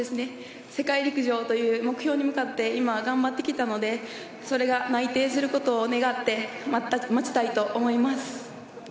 世界陸上という目標に向かって今、頑張ってきたのでそれが内定することを願って待ちたいと思います。